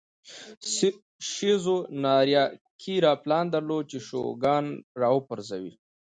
شیزو ناریاکیرا پلان درلود چې شوګان را وپرځوي.